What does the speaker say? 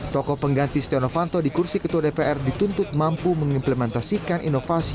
tokoh pengganti stenovanto di kursi ketua dpr dituntut mampu mengimplementasikan inovasi